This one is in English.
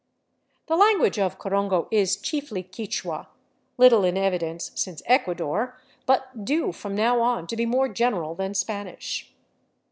The language of Corongo is chiefly Quichua, little in evidence since Ecuador, but due from now on to be more general than Spanish.